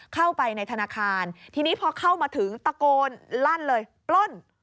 เข้าไปในธนาคารทีนี้พอเข้ามาถึงตะโกนลั่นเลยปล้น